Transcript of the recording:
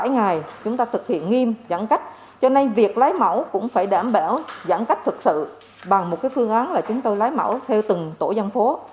bảy ngày chúng ta thực hiện nghiêm giãn cách cho nên việc lấy mẫu cũng phải đảm bảo giãn cách thực sự bằng một phương án là chúng tôi lấy mẫu theo từng tổ dân phố